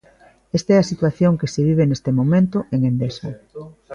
Esta é a situación que se vive neste momento en Endesa.